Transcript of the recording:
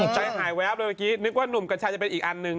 ใจหายแวบเลยเมื่อกี้นึกว่าหนุ่มกัญชัยจะเป็นอีกอันหนึ่ง